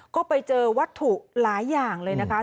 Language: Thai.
ก็ไปเจอวัตถุหลายอย่างเลยนะคะ